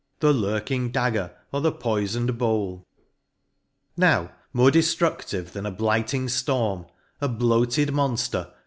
The lurking dagger, or the poifon'd bowl. Now, more defl:rudlive than a blighting ftorm, A bloated monflcr.